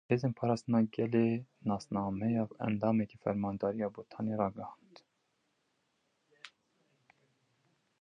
Hêzên Parastina Gelê nasnameya endamekî Fermandariya Botanê ragihand.